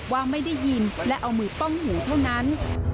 ว่าไม่ได้ยินและเอามือป้องหูเท่านั้น